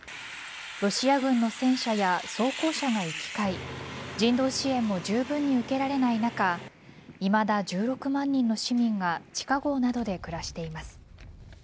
ロシア軍の戦車や装甲車が行き交い人道支援もじゅうぶんに受けられない中いまだ１６万人の市民が地下壕などで暮らしています。